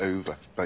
はい。